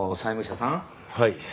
はい。